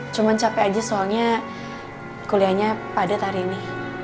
cuma capek aja soalnya kuliahnya padat hari ini